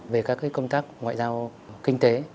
về các công tác ngoại giao kinh tế